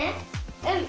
うん！